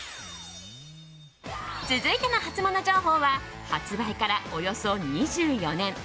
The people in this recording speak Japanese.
続いてのハツモノ情報は発売からおよそ２４年。